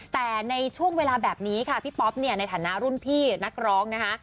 แต่ในช่วงเวลาแบบนี้ค่ะพี่ป๊อปเนี่ยในฐานะรุ่นพี่นักร้องนะคะ